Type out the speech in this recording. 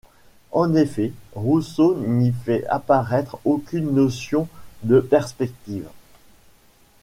En effet, Rousseau n'y fait apparaître aucune notion de perspective.